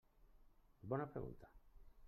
Bona pregunta.